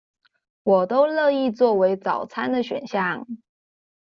我都樂意作為早餐的選項